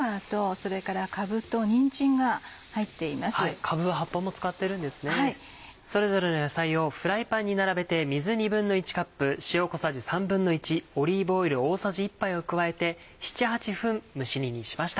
それぞれの野菜をフライパンに並べて水１／２カップ塩小さじ１／３オリーブオイル大さじ１杯を加えて７８分蒸し煮にしました。